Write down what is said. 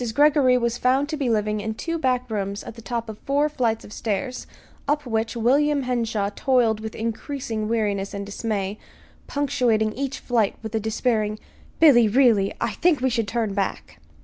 Greggory was found to be living in two back rooms at the top of four flights of stairs, up which William Henshaw toiled with increasing weariness and dismay, punctuating each flight with a despairing: "Billy, really, I think we should turn back!"